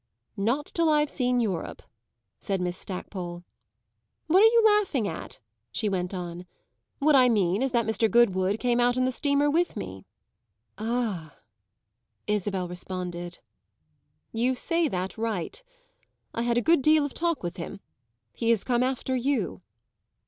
"Not till I've seen Europe!" said Miss Stackpole. "What are you laughing at?" she went on. "What I mean is that Mr. Goodwood came out in the steamer with me." "Ah!" Isabel responded. "You say that right. I had a good deal of talk with him; he has come after you."